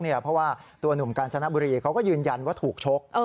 เพราะว่าตัวหนุ่มกาญจนบุรีเขาก็ยืนยันว่าถูกชก